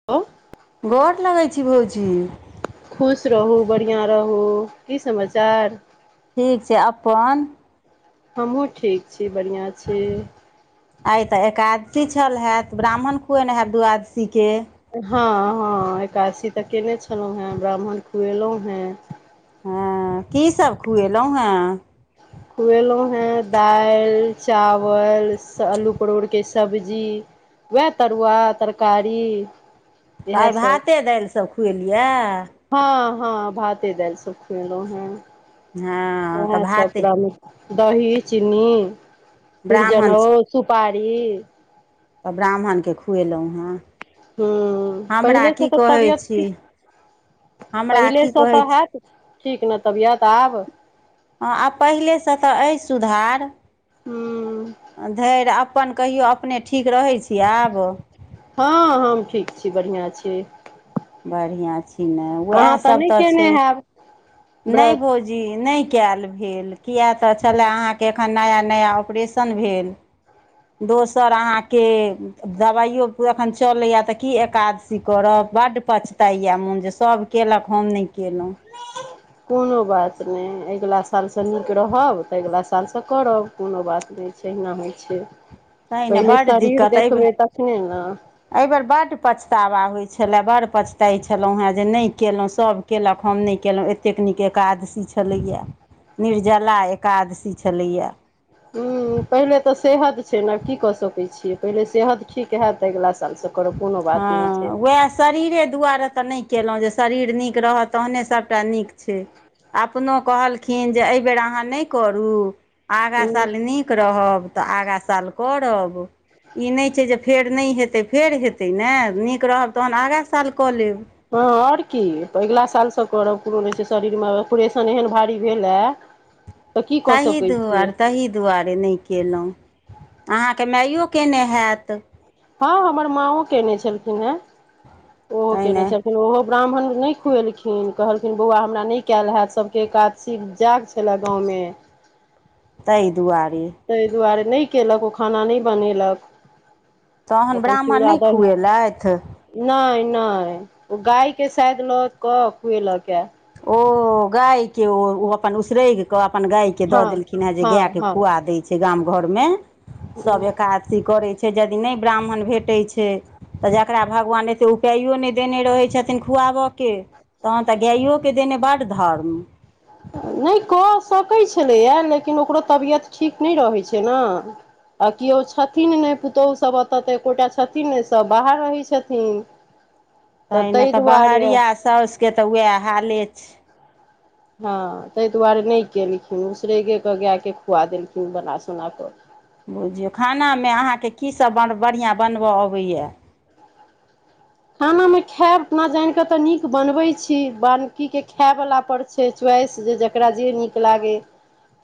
[unintelligible] गोर लगैय छी भौजी खुश रहू बढ़िआँ रहू की समाचार ठीक छैय अपन हमहुू ठीक छी बढ़िआँ छी। आइ तअ एकादशी छल हेैत, ब्राह्मण खुएने हेब दूआदशी के हँ हँ एकादसी तऽ केने छलहुँ हेँ ब्राह्मण खुएलहुँ हें हँ की सब खुएलहुँ हें कुएलो हैं दाइल चावल स अल्लु परोड़ के स सब्जी वएह तरुआ तरकारी तऽ इएह आइ सब भाते दाइल सभ खुएलिआ हँ हँ भाते दाइल सब खुएलहुं हें हँ तऽ ओहाँ सब भाते ग्रामी दही चीनी फिर ब्राह्मण छी जनेउ सुपारी तऽ ब्राह्मणकेँ खुएलहुँ हेँ ह्म्म हमरा पहिले स की तऽ कहै तबियत छी किछ हमरा पहिले की स कहै तऽ छी हेत ठीक नअ तबियत आब हँ आब पहिलेसँ तऽ अइ सुधार हूँ धैर अप अपन कहियौ अपने ठीक रहैय छी आब हँ हम ठीक छी बढ़िया छी बढ़िआँ छी ने अहाँ वेएहसभ नहि तऽ केने छैय हैब नहि व्रत भौज जी नहि केयल भेल किया तऽ छलए अहाँके एखन नया नया ऑपरेशन भेल दोसर अहाँके दबाइयो एखन चलैया तअ की एकादशी करब बड्ड पछताएया मोन जे सभ केलक हम नहि केलहुँ कोनो बात नेय अगिला सालसँ नीक रहब तऽ अगिला सालसँ करब कोनो बात नेय। तहिना होइ छैय तय न बड दिक्कत अइ भ तखने ने एहि बेेर बड्ड पछतावा होइत छलए बडड़ड पछताइत छलहुँ हेँ जे नैय केलहुँ सभ केलक हम नहि केलहुँ एतेक नीक एकादशी छलैया निर्जला एकादशी छलैया। हम्म पहिले तऽ सेहद छैय न की कऽ सकैय छियै पहिले सेहद ठीक हेत तअ अगिला सालसँ करब कोनो बात नहि हँ छैय उएह शरीरे दुआरे तऽ नहि केलहुँ जे शरीर नीक रहत तहने सब सभटा नीक छे अपनो कहलखिन जे एहिबेर अहाँ नै करू आगा हूँ साल नीक रहब तऽ आगा साल करब। ई नैय छै जे फेर नै हेतै फेर हेतै नेय नीक रहब तहन आगा साल कऽ लेब। हां और की अगला सालसँ करब कुनू नै छै, शरीरमे ऑपरेशन एहन भारी भेल हे। ताहि दुआर ताहि। ताहि दुआरे नै केलहुँ अहाँके माइयो कने हयत। हां हमर माओ केने छलखिन हे ओहो तैँ केने ने छलखिन ओहो ब्राह्मण नै खुएलखिन कहलखिन बौआ हमरा नै कयल हैत सभके एकादशी जाग छलै गाँवमे तहि दुआरे तैय दुआरे नै केलक ओ खाना नैय बनेलक। तहन ब्राह्मण नैय खुएलथि। नैय-नैय ओ गाय के सायद लऽ क खुएलक ए ओ गायके ओ ओ अपन उसरैग कऽ अपन गायके दऽ हँ देलखिन हे जे हँ गायके हँ खुआ दैय छै गाम घरमे सब एका सऽ करै छैय, यदि नै ब्राह्मण भेटै छै। तऽ जकरा भगवान एते उपायो नैय देने रहै छथिन खुआबऽ के तहन तऽ गाइयो के देने बड्ड धर्म नै कऽ सकैत छलैय, लेकिन ओकरो तबियत ठीक नै रहै छै ने आ किओ छथिन ने पुतोहु सब एतेऽ ते एकोटा छथिन ने सब बाहर रहै छथिन। तहिने ताहि तऽ दुआरे बहरिया साउसके तऽ वएह हाले छैय। हां तैय दुआरे नै केलखिन उसरेगेके गायके खुआ देलखिन बना सुना कऽ बुझियौ खानामे अहाँके कि सभ बढ़िआँ बनबय अबै ये खाना मे खायब अपना जान के तऽ नीक बनवबै छी बानकी के खाय बला पर छै, च्वाइस जे जकरा जे नीक लागैय।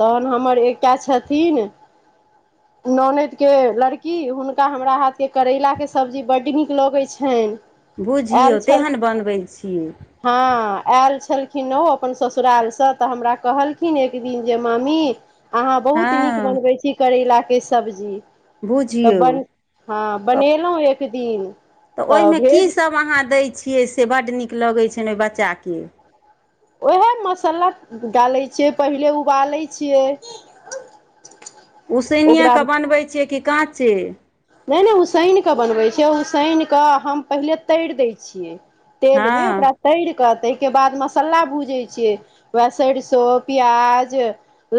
तहन हमर एकटा छथिन। [inaudible] ननैदके लड़की हुनका हमरा हाथके करैलाके सब्जी बड्ड नीक लगै छनि। बुझियौ तेहन बनबै छी। हां आयल छलखिन ओ अपन ससुरालसँ तऽ हमरा कहलखिन एक दिन जे मामी अहाँ बहुत नीक हँ बनबै छी, करैलाके सब्जी तऽ बुझियौ बन हां बनेलहुं एक दिन तऽ ओहिमे कीसभ अहाँ दैय छियै से बड्ड नीक लगै छनि ओहि बच्चाके उएहमे मसाला डालैय छियै, पहिले उबालै छियै। ओकरा उसैनियेके बनबै छियै की काँचे नैय नैय उसैन कऽ बनबै छियै, उसैन कऽ हम पहिले तरि दै छियै। तेल मे हँ ओकरा तैर कऽ तैय के बाद मसला भूजैय छियै, उएह सरिसो प्याज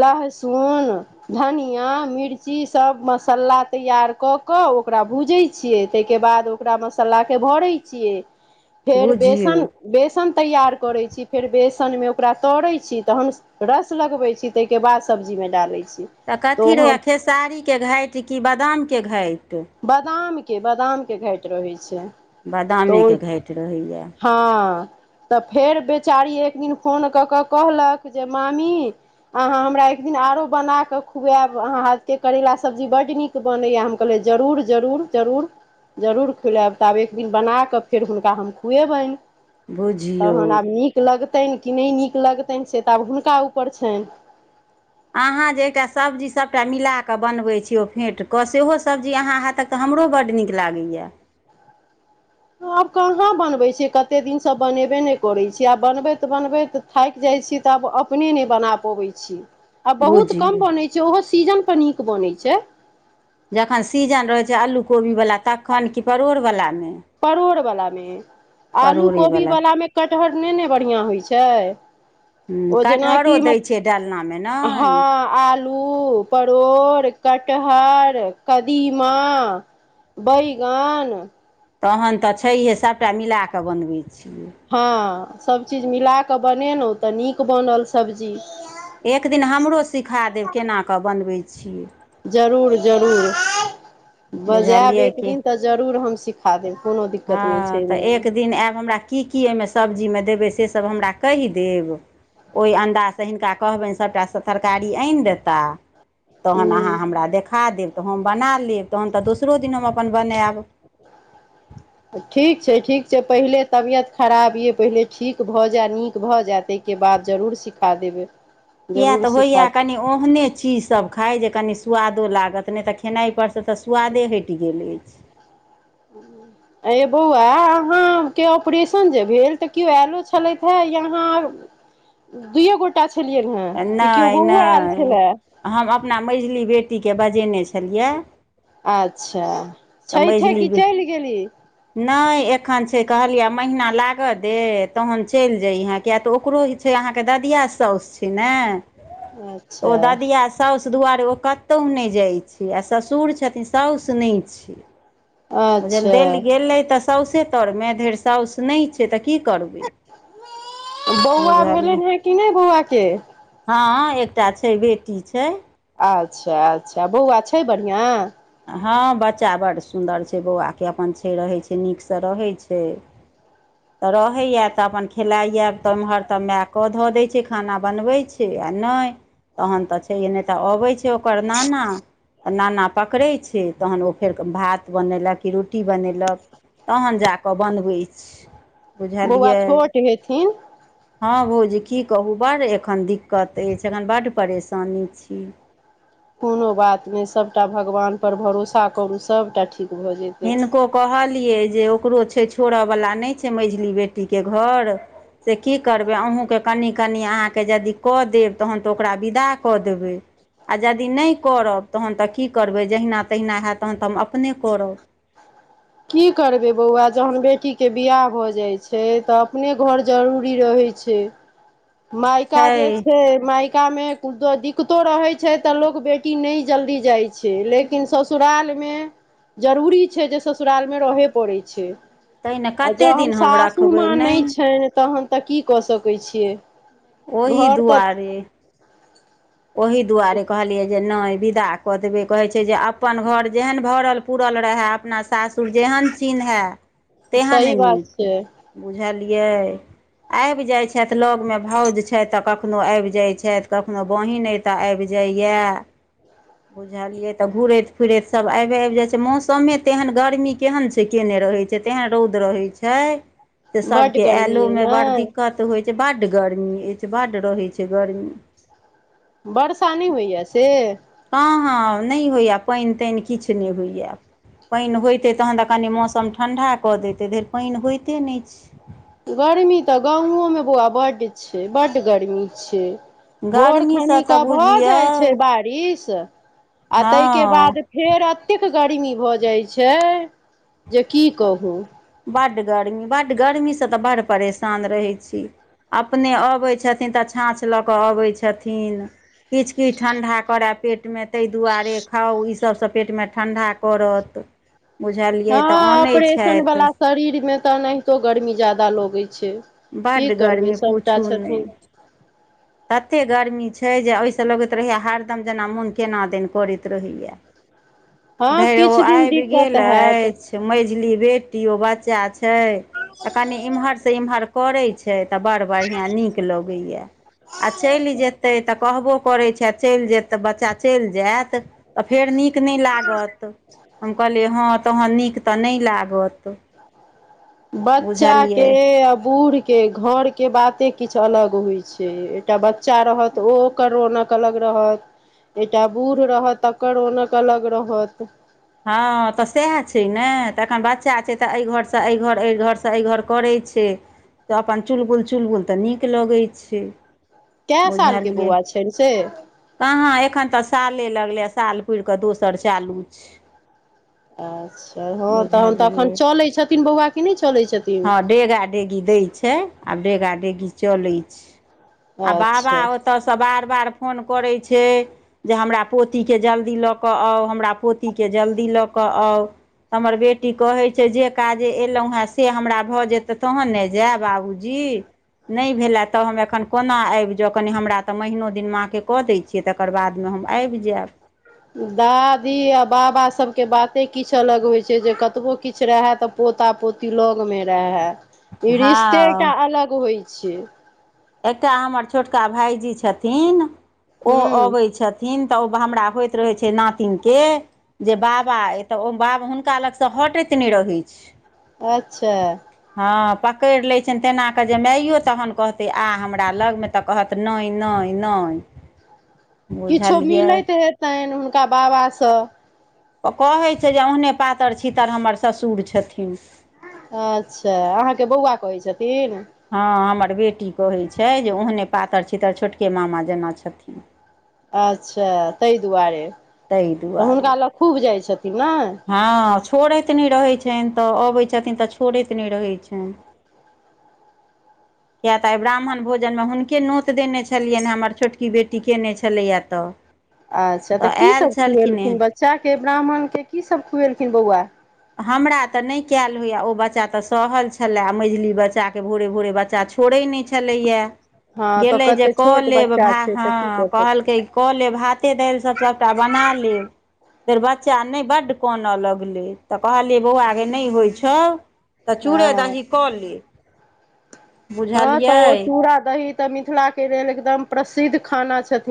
लहसुन, धनिया, मिर्ची सब मसल्ला तैयार कऽ कऽ ओकरा भूजैय छियै, तैय के बाद ओकरा मसलाक के भरै छियै। ह [inaudible] फेर बेसन, बेसन तैयार करै छी, फेर बेसनमे ओकरा तरै छी, तहन रस लगबैय छी, तैय के बाद सब्जीमे डालैय छी। तऽ कथी ओ रहैए हम खेसारीके घाटि की बादामके घाटि बादाम के बादाम के घाटि रहै छैय। बादामेके घाटि रहैय ये हँ। तऽ फेर बेचारी एक दिन फोन कऽ कऽ कहलक जे मामी अहाँ हमरा एक दिन आरो बना के खुआएब अहां हाथ के करेला सब्जी बड्ड नीक बनैयैऽ हम कहलियै जरूर -जरूर- जरूर जरूर खुलाऐब। तऽ आब एक दिन बना कऽ फेर हुनका हम खुएबैन। बुझियौ तहन आब नीक लगतैन कि नय नीक लगतैन से तऽ आब हुनका ऊपर छैन। अहाँ जे एकटा सब्जी सभटा मिलाके बनबैय छीयै ओ फेंट क सेहो सब्जी अहाँ हाथक तऽ हमरो बड्ड नीक लागैएऽ। आब कहाँ बनबै छियै। कत्ते दिनसँ बनेबे नै करै छियै आब बनबैत -बनबैत थाइक जाइ छितऽ आब अपने नैऽ बना पबैत छी। आब बहुत बुझियौ कम बनै छै, ओहो सीजन पर नीक बनै छै। जखन सीजन रहै छै आलू कोबी वला तख्खन कि परोर वलामें? परोर वला में। आलू कोबी परोड़ेवला वलामे कटहर नै ने बढ़िआँ होइ छै। हुं- ओ ‌कटहरो जेनाकि म दै छै डालनामे नै? हँ आलू, परोर, कटहर, कदीमा बैऽगन तहन त छैहे, सबटा मिलाक बनबै छियै। हँ। सभ चीज मिला क बनेलौं त नीक बनल सब्जी। एक दिन हमरो सिखा देब केना क बनबै छियै। जरूर -जरूर। बजेब बुझलियै एक कि दिन त जरूर हम सिख खा देब। कोनो दिक्- हँ, त एक दिन ऐब हमरा की की अयमे सब्जीमे देबै सेसब हमरा कहि देब। ओइ अन्दाजसँ हिनका कहबैन सभटा स- तरकारी आइन देताऽ। तहन अहाँ ह हमरा देखा देब त हम बना लेब, तहन त दोसरो दिन हम अपन बनैएब। ठीक छै, ठीक छै, पहिले तबियत खराब यै पहिले ठीक भ जैऽ नीक भऽ जैऽ तै- के बाद जरूर सिखा देबय। किये तऽ होइऽयै कनी ओहने चीज सभ खाइ, जे कनी स्वादो लागत, नै तऽखेनाइ पर स त स्वादे हैइट गेल अइछ। [inaudible] एं यै बौआ, अहाँ के ऑपरेशन जे भेलऽ त किओ ऐलो छलैथै या अहाँ अ- [inaudible] दुूइए गोटा छलियैनहेँ कि, कियो नहि बौओ ऐल नहि छलैऽ? हम अपना मेझली बेटीके बजेने छलिययैऽ। आच्छा। छैथे कि चइल गेली? नै एख्खन छै कहलियैयैऽ महीना लागऽ दे तहन चइल जइहेँ, किये त ओकरो छे अहांके ददिया साउस छै ने, ओ अच्छा ददिया साउ साउस दुआरे ओ कतौउ नै जाइ छै। आ ससुर छथिन, साउस नै छै। बुजे- अच्छा देल गेलै त साउसे तरमे धैर साउस नै छै, त की करबै? बौआ बुझलियै भेलनिहें कि नै बौआ के? हँ- एकटा छै बेटी छै। अच्छा -अच्छा, बौआ छै बढ़िआँ? हँ बच्चा बड्ड सुन्दर छय, बौआके अप्पन छै रहय छय, नीकसँ रहै छय। त रहैयैऽ त अप्पन खेलाइयैऽ त एम्हर त मैऽ कऽधऽ दै छै। खाना बनबै छै आ नै तहन त छैहे। नै त अबय छै ओकर नाना आ नाना पकड़ै छैय तहन ओ फेरके भात बनेलक कि रोटी बनेलक तहन जाकऽ बनबै छैय। बौआ बुझलियै। छोट हेथिन हँ भौजी की कहू बड्ड एखन दिक्कत अइछ एखन बड्ड परेशानी छी। कोनो बात नै सबटा भगवान पर भरोसा करू सबटा ठीक भ जेतै। हिनको कहलियै जे ओकरो छैय छोड़ऽ वला नै छैय मैझली बेटीके घर से की करबै अहूँकेँ कनी -कनी अहाँकेँ जदि कऽ देब तहन त ओकरा विदा कऽ देबै आ जदि नै करब तहन त की करबै जहिना तहिना हैत तहन त हम अपने करब। की करबै बौआ जहन बेटीके बियाह भ जाइ छैय त अपने घर जरूरी रहै छैय। माइका छै जे छैय माइ कामे कुनो दिक्कतो रहै छैय त लोक बेटी नै जल्दी जाइ छैय लेक किन ससुरालमे जरूरी छैय जे ससुरालमे रहैए पड़ै छैय। तै ने आ कते जहन दिन हम सासू रखबै माँ नै नहि छै तहन त की कऽ सकै छियै। ओहि घर तऽ दुआरे। ओही दुआरे कहलियै जे नय विदा कऽ देबै कहै छैय जे अपन घर जेहन भरल पूरल रहे अपना सासुर जेहन चिन्है तेहन सही बात नीक। छै बुझलियै। आइब जाइ छैथ लऽगमे भौज छैथ त कखनो आइब जाइ छैथ कखनो बहिन अय त आइब जाइए। बुझलियै त घूरैत फिरैत सब आबे आइब जाय छैय मौसमे तेहन गर्मी केहन छैय केने रहै छैय। जे तेहन रौद रहय छैय जे बड्ड सबके गर्मी एलो अइ मे बड़ ने दिक्कत त होइ छैय। बड्ड गरमी अय बड्ड रहै छैय गर्मी। बर्षा नै होइया से। कहाँ नै होइए पाइन ताइन किछ नै होइए। पाइन होइतै तखन त कनि मौसम ठंडा कऽ दैतै धैर पाइन होइते नै छैय। गर्मी त गाँवोमे बौआ बड्ड छैय बड गर्मी छैय। भोर गर्मीसँ तऽ खनिके भ बुझियौ जाइ छैय बारिश आ तयके बाद हँ फेर अतेक गर्मी भ जाइ छैय जे की कहू। बड्ड गर्मी बड्ड गर्मी स त बड्ड परेशान रहै छी। अपने अबैय छथिन त छाँछ लऽ कऽ अबैय छथिन। किछ- किछ ठण्डा करे पेटमे तय दुआरे खाउ इ सभ स पेटमे ठंडा करत। बुझलियै त अनैय छथि। फुला शरीरमे त एनहितो गर्मी ज्यादा लगै छैय। की बड्ड करबै गर्मी सभटा पूछू छथिन नहि तते गर्मी छैय जे अय स लगैत रहैया हरदम जेना मोन केना दन करैत रहैया। हँ धैर ओ किछु दिन आइब दिक्कत गेल हैत अछि मझली बेटी ओ बच्चा छैय छैय त कनी इम्हर से इम्हर करै छैय त बड़ बढ़ियाँ नीक लगैये। आ चइल जेतै त कहबो करै छैय आ चइल जैत त बच्चा चइल जैत त फेर नीक नै लागत, हम कहलियै हँ तहन नीक त नै लागत। बच्चाके बुझलियै आ बूढ़ के घरके बाते किछ अलग होइ छैय एकटा बच्चा रहत ओ ओकर रोनक अलग रहत एकटा बूढ़ रहत तकर रोनक अलग रहत। हँ त सेह छैय ने त एखन बच्चा छैय त अय घरसे अय घर, अय घर से अय घर करय छैय। त अपन चुलबुल -चुलबुल त नीक लगै छैय। कए साल के बौआ छैन से कहाँ एखन तऽ साले लगलै यैं, साल पुइर कऽ दोसर चालू छै। अच्छा हँ तहन त अखन, बुझलियै चलै छथिन बौआ की नहि चलै छथिन। हँ डेगा डेगी दै छै, आब डेगा डेगी चलै छ आ बाबा अच्छा ओ ओतऽ सँ बार-बार फोन करै छै, जे हमरा पोती के जल्दी लऽ कऽ आउ हमरा पोती के जल्दी लऽ के आउ, त हमर बेटी कहै छै जे काजे एलहु हैं स से हमरा भऽ जेतय तहन ने जैब बाबूजी, नहि भेला त हम एखन कोना आबि जाउ, कनि हमरा तऽ महिनो दिन माँके कऽ दै छियै, तकर बादमे हम आबि जायब। दादी आ बाबा सबके बाते किछ अलग होइ छै, जे कतबो किछ रहै त पोता, पोती लग मे रहै, ई रिश्ते हँ एकटा अलग होइ छै। एकटा हमर छोटका भाइजी छथिन, ओ हूँ अबै छथिन तऽ ओ हमरा होइ त रहै छै नातिन के जे बाबा अइ तऽ ओ बाब हुनका लगसँ हटैत नहि रहै छै। अच्छा हँ पकड़ि लै छैन तेना कऽ, जे मैयो तहन कहथ तय आ हमरा लगमे, तऽ कहत नहि-नहि-नहि। किछो मिलैत हेतनि हुनका बाबा सँ। सब कहै छै जे, ओहने पातर-छितर हमर ससुर छथिन। अच्छा अहाँके बौआ कहै छथिन। हँ हमर बेटी कहै छै, जे ओहने पातर-छितर छोटके मामा जेना छथिन। अच्छा तहि दुआरे, ताहि तऽ दुआरे हुनका लग खूब जाइ छथिन नहि। हँ छोड़ैत नहि रहै छनि तऽ, अबैत छथिन त छोड़ैत नहि रहै छनि। [inaudible] किया तऽ आइ ब्राह्मण भोजनमे हुनके नोत देने छलियनि हैं, हमर छोटकी बेटी केने छलैया तऽ। [inaudible] अच्छा तऽ आयल कीसब छलखिन खुएलखिन हेँ बच्चाके, ब्राह्मणके कीसब खुएलखिन बौआ। हमरा तऽ नहि कैल होइए, ओ बच्चा त सहल छलै, मझिली बच्चाकेँ भोरे-भोरे बच्चा छो छोड़ै नहि छलैयैं। हँ तऽ गेलै जे कते कऽ छोट लेब बच्चा भा छै हँ। तऽ की कऽ सकैत छी कहलकै कऽ लेब भाते, दाल सब सबटा। बना लेब, तर बच्चा नहि बड्ड कोन लग लै। तऽ कहलियै बौआगे नहि होइ छौ, तऽ चूड़े हँ दही कऽ ले। हँ तऽ ओ बुझलियै चूड़ा दही तऽ मिथिला के लेल एकदम प्रसिद्ध खाना छथिन।